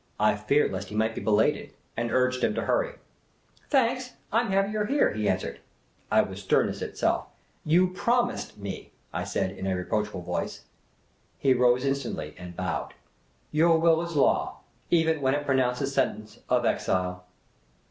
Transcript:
I feared lest he might be belated, and urged him to hurry. " Thanks, I 'm happier here," he answered. I was sternness itself. " Yo\x promised me !" I said, in a reproachful voice. The Impromptu Mountaineer 131 He rose instantly, and bowed. " Your will is law — even when it pronounces sentence of exile."